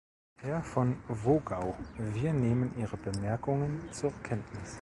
Herr von Wogau, wir nehmen Ihre Bemerkungen zur Kenntnis.